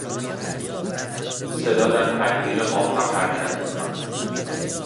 صدا در پرگیر آب هم حرکت میکند.